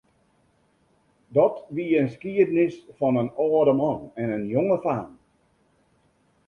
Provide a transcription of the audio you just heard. Dat wie in skiednis fan in âlde man en in jonge faam.